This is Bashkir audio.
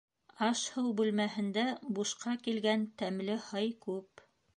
Аш-һыу бүлмәһендә бушҡа килгән тәмле һый күп.